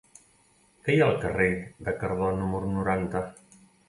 Què hi ha al carrer de Cardó número noranta?